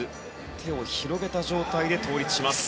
手を広げた状態で倒立します。